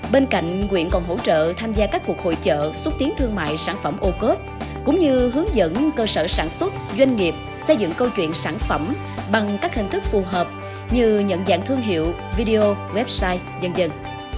bên cạnh quyện còn hỗ trợ tham gia các cuộc hội trợ xúc tiến thương mại sản phẩm ô cớp cũng như hướng dẫn cơ sở sản xuất doanh nghiệp xây dựng câu chuyện sản phẩm bằng các hình thức phù hợp như nhận dạng thương hiệu video website dân dân